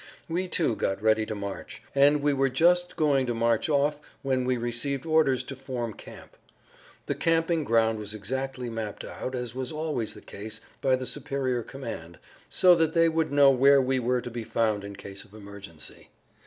We, too, got ready to march, and were just going to march off when we received orders to form camp. The camping ground was exactly mapped out, as was always the case, by the superior command, so that they would know where we were to be found in case of emergency.